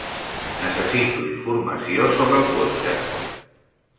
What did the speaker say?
Necessito informació sobre el cotxe.